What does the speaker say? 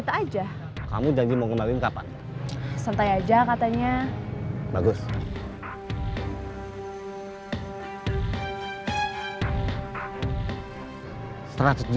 kita sikap satu persatu bekas anak bubos tiang